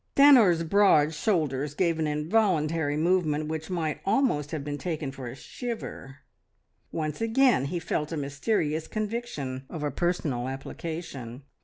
Stanor's broad shoulders gave an involuntary movement which might almost have been taken for a shiver. Once again he felt a mysterious conviction of a personal application.